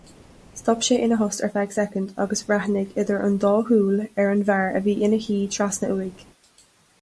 Stop sé ina thost ar feadh soicind agus bhreathnaigh idir an dá shúil ar an bhfear a bhí ina shuí trasna uaidh.